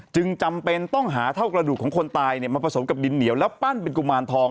จำเป็นต้องหาเท่ากระดูกของคนตายมาผสมกับดินเหนียวแล้วปั้นเป็นกุมารทอง